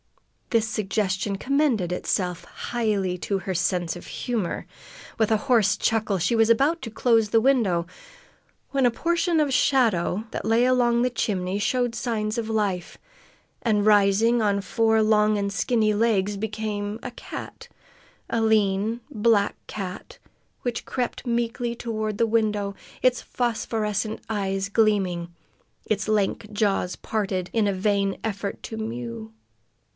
This suggestion commended itself highly to her sense of humor. With a hoarse chuckle she was about to close the window when a portion of the shadow that lay alongside the chimney showed signs of life, and, rising on four long and skinny legs, became a cat a lean, black cat, which crept meekly toward the window, its phosphorescent eyes gleaming, its lank jaws parted in a vain effort to mew.